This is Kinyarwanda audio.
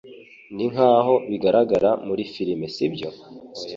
Ninkaho bigaragara muri firime, sibyo?